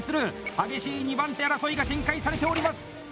激しい２番手争いが展開されております！